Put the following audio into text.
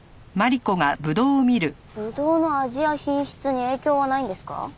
ぶどうの味や品質に影響はないんですか？